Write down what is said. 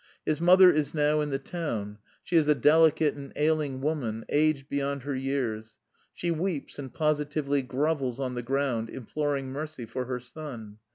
His mother is now in the town; she is a delicate and ailing woman, aged beyond her years; she weeps and positively grovels on the ground imploring mercy for her son.